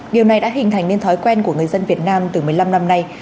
điều này đã hình thành nên thói quen của người dân việt nam từ một mươi năm năm nay